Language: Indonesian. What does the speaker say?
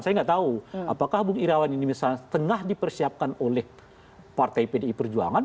saya nggak tahu apakah bung irawan ini misalnya tengah dipersiapkan oleh partai pdi perjuangan